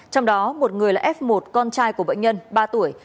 trong đó một người là f một con trai của bệnh nhân ba tuổi